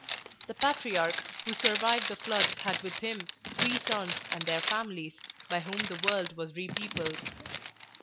The patriarch who survived the Flood had with him three sons, and their families, by whom the world was repeopled.